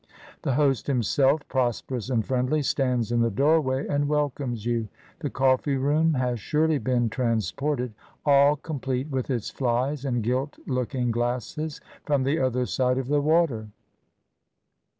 The host himself, prosperous and friendly, stands in the doorway and welcomes you. The coffee room has surely been transported, all complete with its flies and gilt looking glasses, from the other side of the water.